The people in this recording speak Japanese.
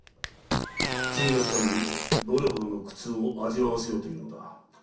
罪なき民にどれほどの苦痛を味わわせようというのだ。